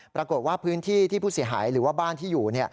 ปรากฏว่าพื้นที่ที่ผู้เสียหายหรือว่าบ้านที่อยู่